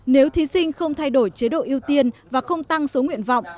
nếu thí sinh không thay đổi chế độ ưu tiên và không tăng số nguyện vọng